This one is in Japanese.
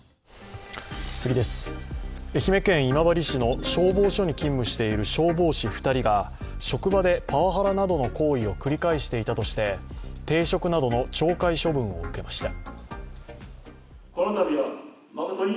愛媛県今治市の消防署に勤務している消防士２人が職場でパワハラなどの行為を繰り返していたとして停職などの懲戒処分を受けました。